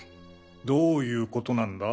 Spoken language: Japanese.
どういうことなんだ！？